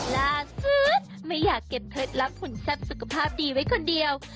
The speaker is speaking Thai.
ล่าสุดไม่อยากเก็บเคล็ดลับหุ่นแซ่บสุขภาพดีไว้คนเดียว